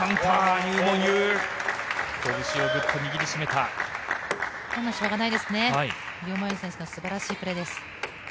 ユー・モンユー選手の素晴らしいプレーです。